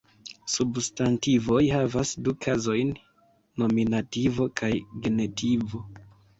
Substantivoj havas du kazojn: nominativo kaj genitivo.